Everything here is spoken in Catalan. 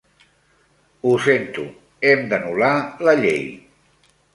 Ho sento, hem d'anul·lar la llei.